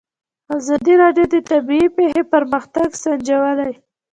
ازادي راډیو د طبیعي پېښې پرمختګ سنجولی.